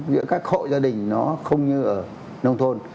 giữa các hộ gia đình nó không như ở nông thôn